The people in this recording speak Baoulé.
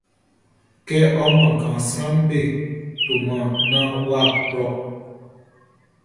Kɛ ɔ man kanʼn, sranʼm be toman naan wʼa kplɔ.